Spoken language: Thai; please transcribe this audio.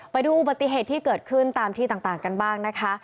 ไปดูอุบัติเหตุที่เกิดขึ้นตามที่ต่างกันบ้างนะคะ